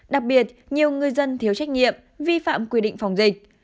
đặc biệt nhiều người dân thiếu trách nhiệm vi phạm quy định phòng dịch